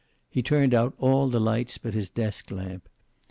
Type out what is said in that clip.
He turned out all the lights but his desk lamp.